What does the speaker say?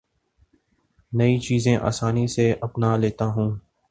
نئی چیزیں آسانی سے اپنا لیتا ہوں